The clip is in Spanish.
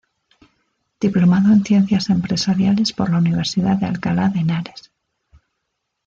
Diplomado en Ciencias Empresariales por la Universidad de Alcalá de Henares.